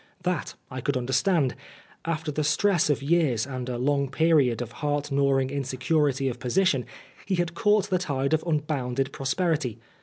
That I could understand. After the" stress of years and a long period of heart gnawing insecur ity of position, he had caught the tide of unbounded prosperity.